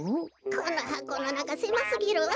このはこのなかせますぎるわべ。